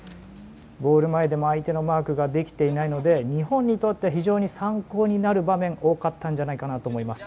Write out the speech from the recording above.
ゴール前でも相手のマークができていないので日本にとっては非常に参考になる場面が多かったんじゃないかなと思います。